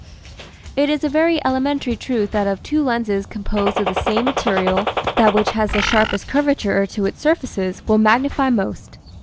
It is a very elementary truth that of two lenses composed of the same material that which has the sharpest curvature to its surfaces will magnify most.